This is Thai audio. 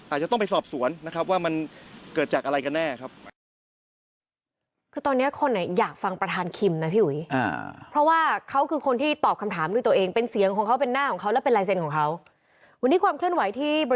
อาจจะต้องไปสอบสวนนะครับว่ามันเกิดจากอะไรกันแน่ครับ